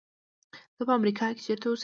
زه په امریکا کې چېرته اوسېږم.